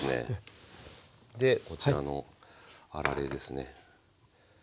でこちらのあられですね。